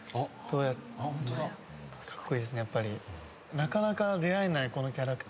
なかなか出会えないこのキャラクター。